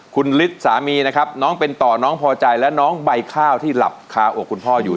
คุณฤทธิ์สามีนะครับน้องเป็นต่อน้องพอใจและน้องใบข้าวที่หลับคาอกคุณพ่ออยู่